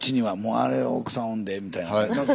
あれは奥さんおんでみたいな感じで。